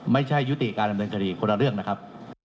ยุติการดำเนินคดีคนละเรื่องนะครับ